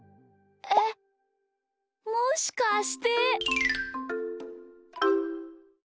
えっもしかして。